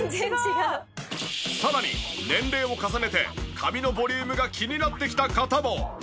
さらに年齢を重ねて髪のボリュームが気になってきた方も。